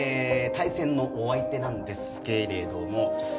対戦のお相手なんですけれども。